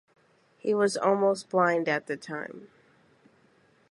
He was almost blind at the time.